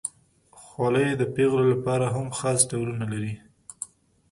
خولۍ د پیغلو لپاره هم خاص ډولونه لري.